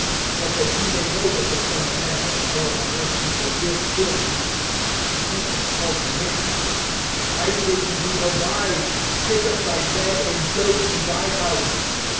(10)But that ye may know that the Son of man has power on earth to forgive sins, (he says to the palsied man,) (11)I say to thee, arise, take up thy bed, and go to thy house.